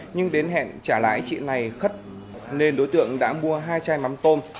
nhưng đến hẹn trả lại chị này khất nên đối tượng đã mua hai chai mắm tôm